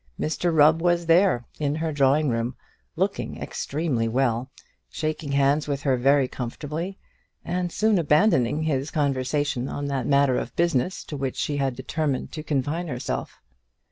Mr Rubb was there, in her drawing room, looking extremely well, shaking hands with her very comfortably, and soon abandoning his conversation on that matter of business to which she had determined to confine herself.